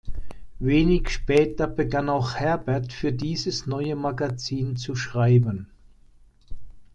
Wenig später begann auch Herbert für dieses neue Magazin zu schreiben.